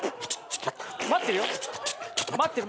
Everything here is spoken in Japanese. ちょっと待って。